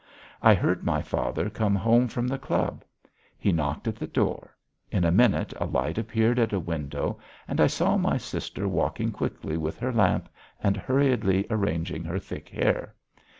I heard my father come home from the club; he knocked at the door; in a minute a light appeared at a window and I saw my sister walking quickly with her lamp and hurriedly arranging her thick hair.